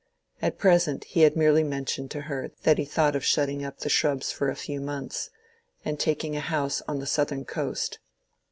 At present he had merely mentioned to her that he thought of shutting up The Shrubs for a few months, and taking a house on the Southern Coast.